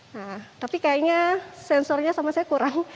nah tapi kayaknya sensornya sama saya kurang